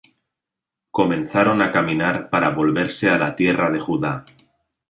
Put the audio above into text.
Comenzaron á caminar para volverse á la tierra de Judá.